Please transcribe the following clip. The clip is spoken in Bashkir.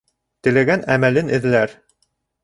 Теләгән әмәлен эҙләр